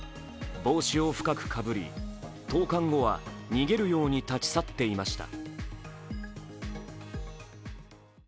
帽子を深くかぶり投かん後は逃げるように立ち去っていました。